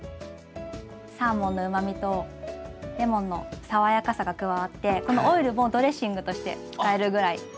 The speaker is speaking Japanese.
サーモンのうまみとレモンの爽やかさが加わってこのオイルもドレッシングとして使えるぐらい。